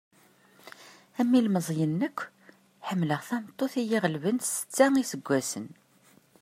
Am ilmeẓyen akk, ḥemmleɣ tameṭṭut i yi-ɣelben s setta iseggasen.